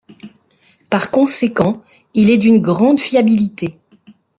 Par conséquent il est d'une grande fiabilité.